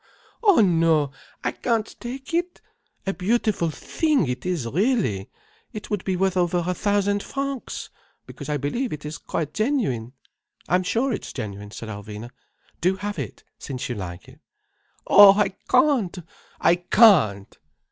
Oh no! I can't take it. A beautiful thing it is, really. It would be worth over a thousand francs, because I believe it is quite genuine." "I'm sure it's genuine," said Alvina. "Do have it since you like it." "Oh, I can't! I can't!